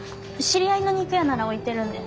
知り合いの肉屋なら置いてるんで。